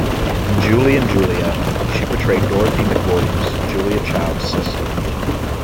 In "Julie and Julia," she portrayed Dorothy McWilliams, Julia Child's sister.